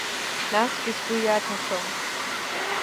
Насгьы сгәы иаҭахым.